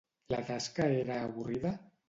La tasca era avorrida?